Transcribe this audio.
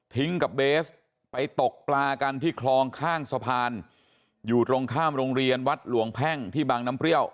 กับเบสไปตกปลากันที่คลองข้างสะพานอยู่ตรงข้ามโรงเรียนวัดหลวงแพ่งที่บางน้ำเปรี้ยว